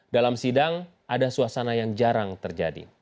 dalam sidang ada suasana yang jarang terjadi